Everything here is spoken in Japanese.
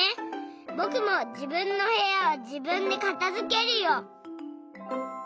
ぼくもじぶんのへやはじぶんでかたづけるよ。